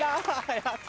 やった！